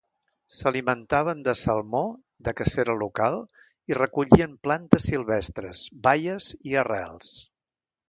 S'alimentaven de salmó, de cacera local i recollien plantes silvestres, baies i arrels.